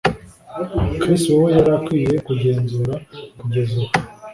Chris rwose yari akwiye kugenzura kugeza ubu